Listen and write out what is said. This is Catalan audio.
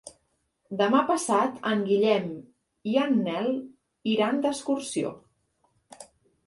Demà passat en Guillem i en Nel iran d'excursió.